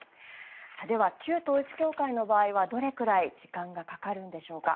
では、旧統一教会の場合はどれくらい時間がかかるんでしょうか。